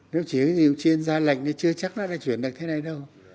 nếu chỉ có nhiều chuyên gia lệnh thì chưa chắc nó đã chuyển được thế này đâu